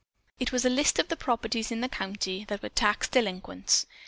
It was a list of the properties in the county that were tax delinquents.